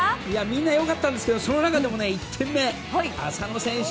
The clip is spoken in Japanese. みんな良かったんですけどその中でも１点目、浅野選手。